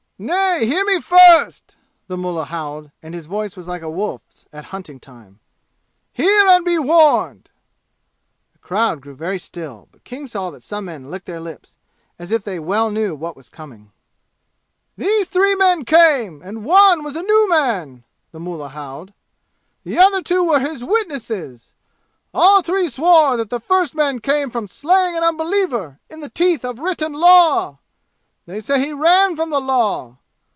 "Nay, hear me first!" the mullah howled, and his voice was like a wolf's at hunting time. "Hear, and be warned!" The crowd grew very still, but King saw that some men licked their lips, as if they well knew what was coming. "These three men came, and one was a new man!" the mullah howled. "The other two were his witnesses! All three swore that the first man came from slaying an unbeliever in the teeth of written law. They said he ran from the law.